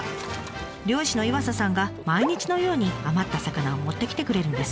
漁師の岩佐さんが毎日のように余った魚を持ってきてくれるんです。